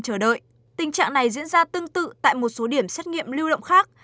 chờ đợi tình trạng này diễn ra tương tự tại một số điểm xét nghiệm lưu động khác